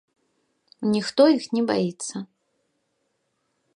Ніхто іх не баіцца.